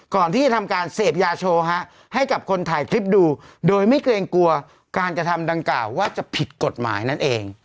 ก่อนที่จะทำการเสพยาโชว์ให้กับคนถ่ายคลิปดูโดยไม่เกรงกลัวการกระทำดังกล่าวว่าจะผิดกฎหมายนั่นเอง